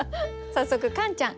早速カンちゃん。